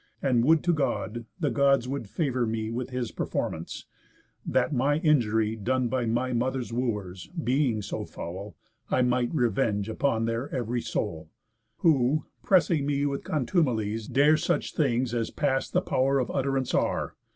And would to God the Gods would favour me With his performance, that my injury, Done by my mother's Wooers, being so foul, I might revenge upon their ev'ry soul; Who, pressing me with contumelies, dare Such things as past the pow'r of utt'rance are.